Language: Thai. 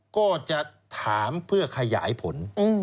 ก็จะถามเพื่อขยายผล